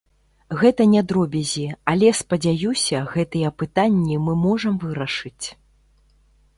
Гэта не дробязі, але, спадзяюся, гэтыя пытанні мы можам вырашыць.